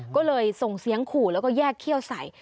ก็เลยส่งเสียงขู่แล้วก็แยกเขี้ยวใส่